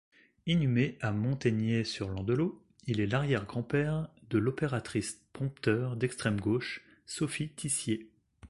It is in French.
Inhumé à Monteignet-sur-l'Andelot, il est l'arrière grand-père de l'opératrice prompteur d'extrême gauche, Sophie Tissier.